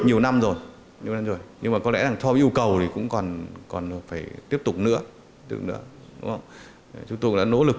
nhiều năm rồi nhưng mà có lẽ là theo yêu cầu thì cũng còn phải tiếp tục nữa chúng tôi cũng đã nỗ lực